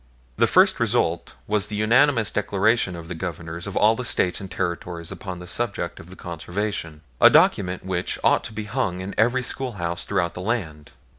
The first result was the unanimous declaration of the Governors of all the States and Territories upon the subject of Conservation, a document which ought to be hung in every schoolhouse throughout the land.